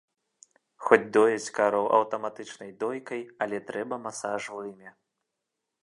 Хоць дояць кароў аўтаматычнай дойкай, але трэба масаж вымя.